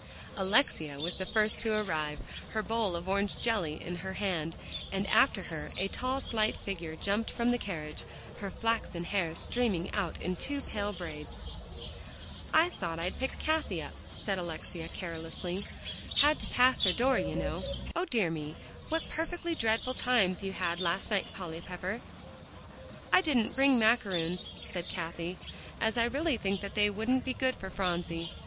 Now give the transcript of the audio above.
Alexia was the first to arrive, her bowl of orange jelly in her hand, and after her, a tall slight figure jumped from the carriage, her flaxen hair streaming out in two pale braids. "I thought I'd pick Cathie up," said Alexia carelessly; "had to pass her door, you know. O dear me, what perfectly dreadful times you had last night, Polly Pepper." "I didn't bring macaroons," said Cathie, "as I really think that they wouldn't be good for Phronsie.